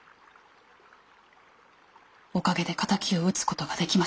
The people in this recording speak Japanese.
おかげで敵を討つことができました。